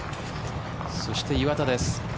そして、岩田です。